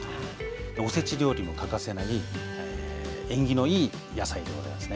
お節料理にも欠かせない縁起のいい野菜でございますね。